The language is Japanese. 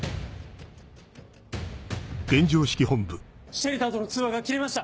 シェルターとの通話が切れました！